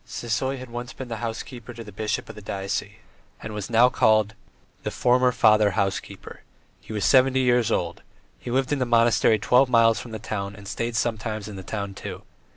Sisoy had once been housekeeper to the bishop of the diocese, and was called now "the former Father Housekeeper"; he was seventy years old, he lived in a monastery twelve miles from the town and stayed sometimes in the town, too.